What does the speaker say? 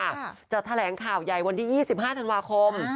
แล้วก็แสงข่าวยัยวันที่๒๕ธันวาคม